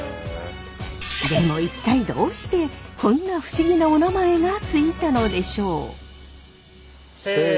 でも一体どうしてこんな不思議なおなまえが付いたのでしょう？